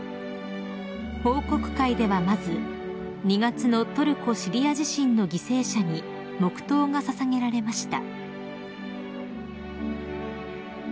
［報告会ではまず２月のトルコ・シリア地震の犠牲者に黙とうが捧げられました］